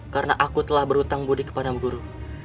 karena aku telah berhutang budi kepadamu guru